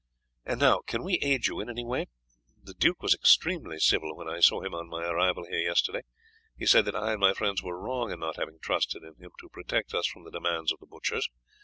And now, can we aid you in any way? The duke was extremely civil when I saw him on my arrival here yesterday. He said that I and my friends were wrong in not having trusted in him to protect us from the demands of the butchers.